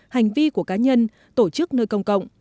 hành vi của cá nhân tổ chức nơi công cộng